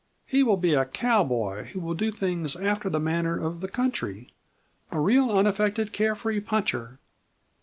He will be a cowboy who will do things after the manner of the country a real, unaffected care free puncher!"